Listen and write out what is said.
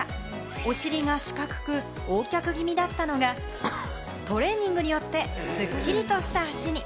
お尻が四角くＯ脚気味だったのがトレーニングによって、すっきりとした脚に。